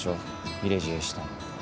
入れ知恵したの。